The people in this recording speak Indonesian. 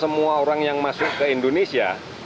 semua orang yang masuk ke indonesia